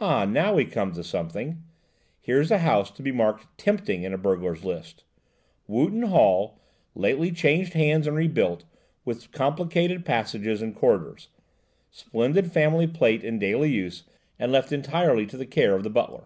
Ah! now we come to something! Here's a house to be marked 'tempting' in a burglar's list. 'Wootton Hall, lately changed hands and re built, with complicated passages and corridors. Splendid family plate in daily use and left entirely to the care of the butler.'